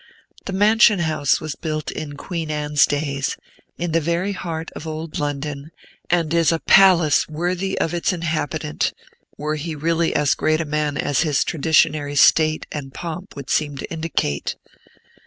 The Mansion House was built in Queen Anne's days, in the very heart of old London, and is a palace worthy of its inhabitant, were he really as great a man as his traditionary state and pomp would seem to indicate.